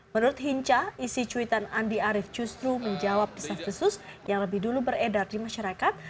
menurut hinca isi cuitan andi arief justru menjawab desa khusus yang lebih dulu beredar di masyarakat